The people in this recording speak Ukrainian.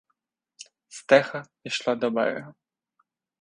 Стеха пішла до берега.